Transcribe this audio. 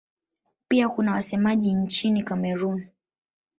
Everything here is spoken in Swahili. Pia kuna wasemaji nchini Kamerun.